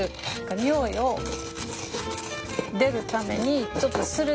匂いを出るためにちょっと擂る。